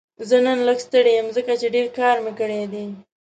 زه نن لږ ستړی یم ځکه چې ډېر کار مې کړی دی